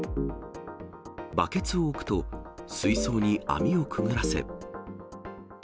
バケツを置くと、水槽に網をくぐらせ。